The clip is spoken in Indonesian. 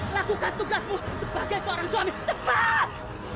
lakukan tugasmu sebagai seorang suami tepat